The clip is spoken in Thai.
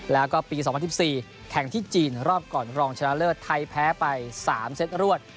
แล้วก็ปี๒๐๑๔แข่งที่จีนรอบก่อนรองชนะเลิศไทยแพ้ไป๓เซตรวด